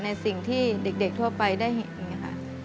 ในสิ่งที่เด็กทั่วไปได้เห็นค่ะ